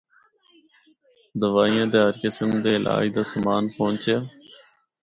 دوائیاں تے ہر قسم دے علاج دا سامان پہنچیا۔